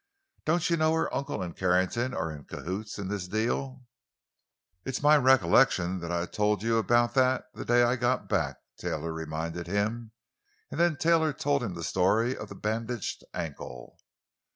Don't you know her uncle and Carrington are in cahoots in this deal?" "It's my recollection that I told you about that the day I got back," Taylor reminded him. And then Taylor told him the story of the bandaged ankle.